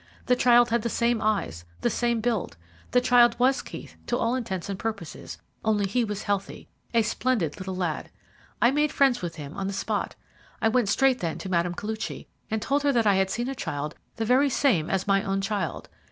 The child had the same eyes, the same build. The child was Keith to all intents and purposes, only he was healthy a splendid little lad. I made friends with him on the spot. I went straight then to Mme. Koluchy, and told her that I had seen a child the very same as my own child.